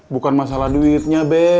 bukan masalah duitnya be